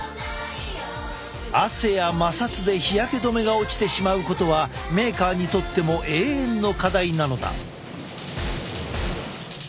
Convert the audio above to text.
汗や摩擦で日焼け止めが落ちてしまうことはメーカーにとっても永遠の課題なのだ。